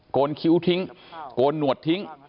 นคิ้วทิ้งโกนหนวดทิ้ง